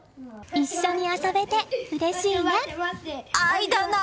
一緒に遊べてうれしいな。